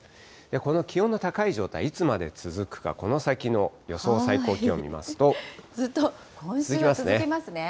この気温の高い状態、いつまで続くか、この先の予ずっと、今週続きますね。